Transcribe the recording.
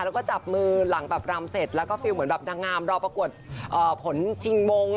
แล้วก็จับมือหลังแบบรำเสร็จแล้วก็ฟิลเหมือนแบบนางงามรอประกวดผลชิงมงค์